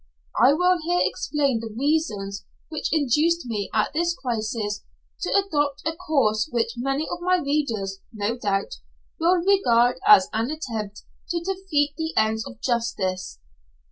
I will here explain the reasons which induced me at this crisis to adopt a course which many of my readers, no doubt, will regard as an attempt to defeat the ends of justice.